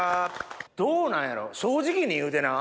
どうなんやろう正直に言うてな。